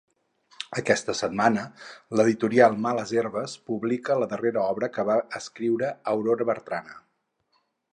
Aquesta setmana l'editorial Males Herbes publica la darrera obra que va escriure Aurora Bertrana.